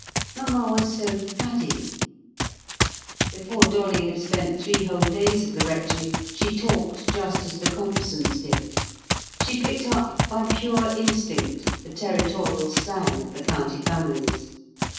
Mamma was so faddy! Before Dolly had spent three whole days at the rectory, she talked just as the Compsons did; she picked up by pure instinct the territorial slang of the county families.